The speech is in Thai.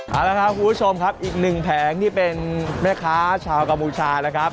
เอาละครับคุณผู้ชมครับอีกหนึ่งแผงที่เป็นแม่ค้าชาวกัมพูชานะครับ